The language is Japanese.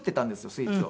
スイーツを。